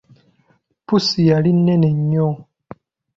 Pussi yali nnene nnyo.